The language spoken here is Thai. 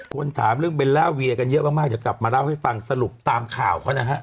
คนถามเรื่องเบลล่าเวียกันเยอะมากเดี๋ยวกลับมาเล่าให้ฟังสรุปตามข่าวเขานะฮะ